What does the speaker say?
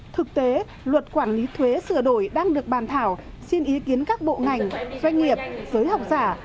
thực tế luật quản lý thuế sửa đổi đang được bàn thảo xin ý kiến các bộ ngành doanh nghiệp giới học giả